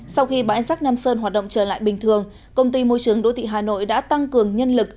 sau khi bãi rác nam sơn hoạt động trở lại bình thường công ty môi trường đô thị hà nội đã tăng cường nhân lực